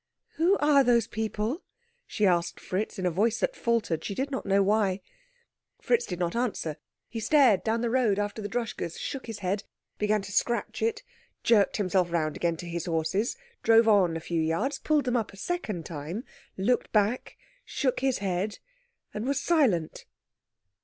"Who are those people?" she asked Fritz in a voice that faltered, she did not know why. Fritz did not answer. He stared down the road after the Droschkes, shook his head, began to scratch it, jerked himself round again to his horses, drove on a few yards, pulled them up a second time, looked back, shook his head, and was silent.